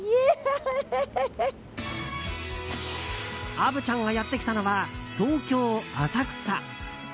虻ちゃんがやってきたのは東京・浅草。